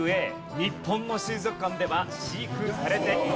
日本の水族館では飼育されていないんです。